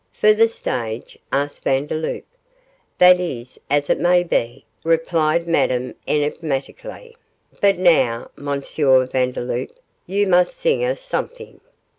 'For the stage?' asked Vandeloup. 'That is as it may be,' replied Madame, enigmatically, 'but now, M. Vandeloup, you must sing us something.